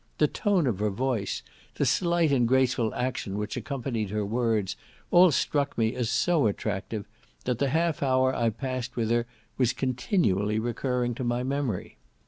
The tone of her voice, the slight and graceful action which accompanied her words, all struck me as so attractive, that the half hour I passed with her was continually recurring to my memory.